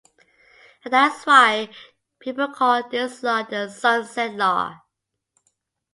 And that is why people call this law The Sunset Law.